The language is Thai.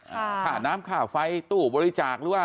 ข่าน้ำข่าวไฟตู้บริจาค